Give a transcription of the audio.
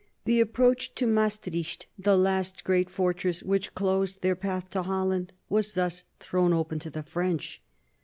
The approach to Maastricht, the last great fortress which closed their path to Holland, was thus thrown open to the French.